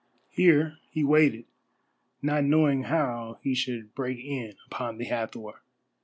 Here he waited, not knowing how he should break in upon the Hathor.